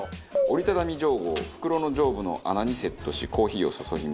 折りたたみじょうごを袋の上部の穴にセットしコーヒーを注ぎます。